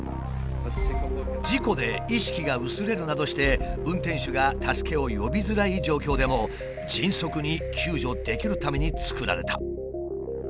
事故で意識が薄れるなどして運転手が助けを呼びづらい状況でも迅速に救助できるために作られた。